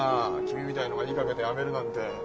君みたいのが言いかけてやめるなんて。